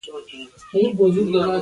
موزیک خیالونو ته وزر ورکوي.